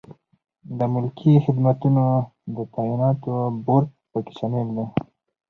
د ملکي خدمتونو د تعیناتو بورد پکې شامل دی.